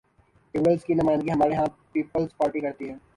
Liberals کی نمائندگی ہمارے ہاں پیپلز پارٹی کرتی ہے۔